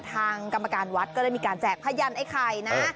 ทางกรรมการวัดก็ได้มีการแจกพยันไอ้ไข่นะ